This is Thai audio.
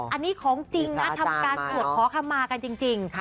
อันนี้ของจริงนะทำการบวชขอคำมากันจริง